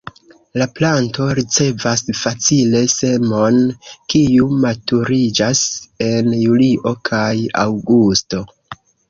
La planto ricevas facile semon, kiu maturiĝas en julio kaj aŭgusto.